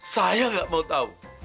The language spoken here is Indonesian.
saya nggak mau tahu